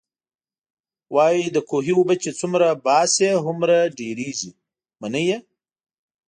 وايي د کوهي اوبه چې څومره باسې، هومره ډېرېږئ. منئ يې؟